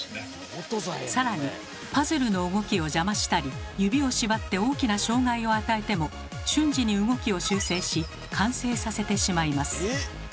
更にパズルの動きを邪魔したり指を縛って大きな障害を与えても瞬時に動きを修正し完成させてしまいます。